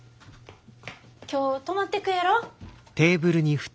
今日泊まってくやろ？